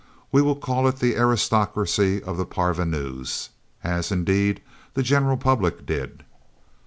We will call it the Aristocracy of the Parvenus as, indeed, the general public did.